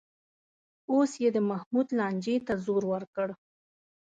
اوس یې د محمود لانجې ته زور ورکړ